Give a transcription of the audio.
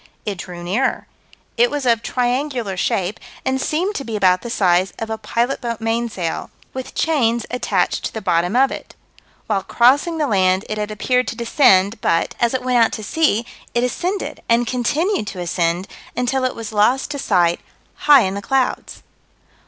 It drew nearer. It was of triangular shape, and seemed to be about the size of a pilot boat mainsail, with chains attached to the bottom of it. While crossing the land it had appeared to descend, but, as it went out to sea, it ascended, and continued to ascend, until it was lost to sight high in the clouds.